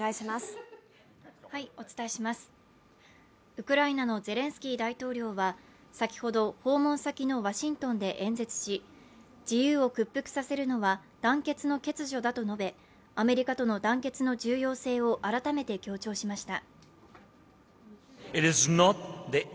ウクライナのゼレンスキー大統領は先ほど訪問先のワシントンで演説し、自由を屈服させるのは団結の欠如だと述べアメリカとの団結の重要性を改めて強調しました。